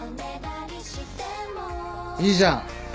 いいじゃん。